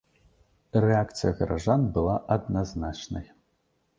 Рэакцыя гараджан была адназначнай.